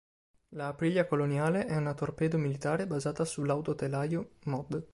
La "Aprilia Coloniale" è una torpedo militare basata sull'autotelaio mod.